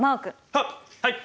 はっはい！